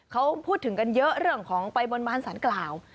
เขาพูดถึงกันเยอะเรื่องของไปบนบานสารกล่าว